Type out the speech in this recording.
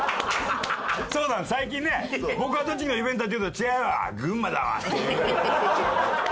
最近ね僕が「栃木のイベンター」って言うと「違うわ！群馬だわ」っていう。